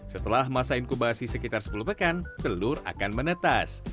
setelah masa inkubasi sekitar sepuluh pekan telur akan menetas